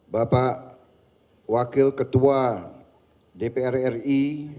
bapak wakil ketua dpr ri